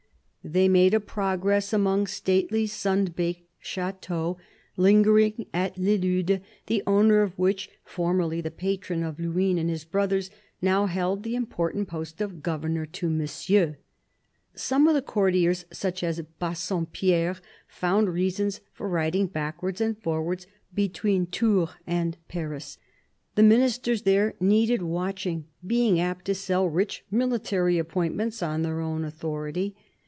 They made a progress among stately sun baked chateaux, lingering at Le Lude, the owner of which, formerly the patron of Luynes and his brothers, now held the important post of governor to Monsieur. Some of the courtiers, such as Bassompierre, found reasons for riding backwards and forwards, post haste, between Tours and Paris. The Ministers there needed watching, being apt to sell rich military appointments on their own authority.